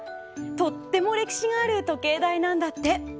とっても歴史がある時計台なんだって。